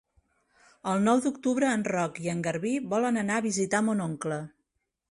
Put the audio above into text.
El nou d'octubre en Roc i en Garbí volen anar a visitar mon oncle.